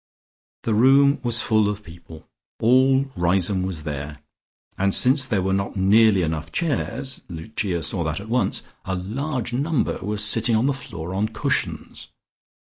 The room was full of people; all Riseholme was there, and since there were not nearly enough chairs (Lucia saw that at once) a large number were sitting on the floor on cushions.